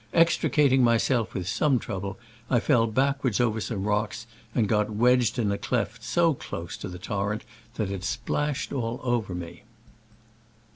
Extricating my self with some trouble, I fell backward over some rocks, and got wedged in a cleft so close to the torrent that it splash ed all over me.